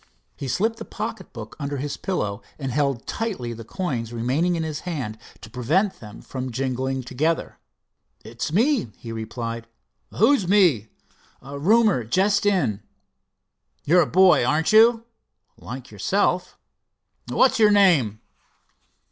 He slipped the pocket book under his pillow, and held tightly the coins remaining in his hand to prevent them from jingling together. "It's me," he replied. "Who's me?" "Roomer—just come in." "You're a boy, aren't you?" "Like yourself." "What's your name?"